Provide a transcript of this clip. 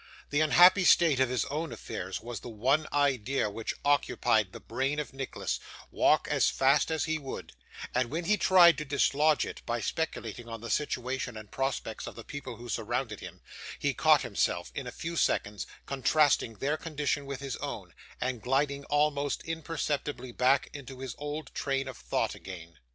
The unhappy state of his own affairs was the one idea which occupied the brain of Nicholas, walk as fast as he would; and when he tried to dislodge it by speculating on the situation and prospects of the people who surrounded him, he caught himself, in a few seconds, contrasting their condition with his own, and gliding almost imperceptibly back into his old train of thought again.